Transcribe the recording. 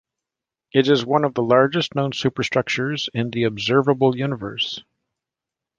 It is one of the largest known superstructures in the observable universe.